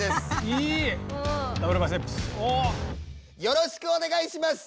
よろしくお願いします。